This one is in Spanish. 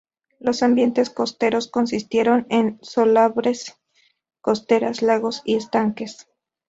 Los ambientes costeros consistieron en salobres costeras, lagos y estanques.